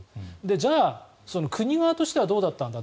じゃあ国側としてはどうだったんだと。